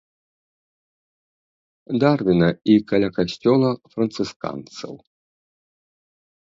Дарвіна і каля касцёла францысканцаў.